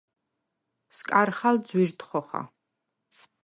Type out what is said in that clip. სკარხალ ძუ̂ირდ ხოხა.